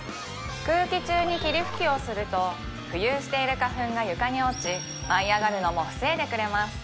空気中に霧吹きをすると浮遊している花粉が床に落ち舞い上がるのも防いでくれます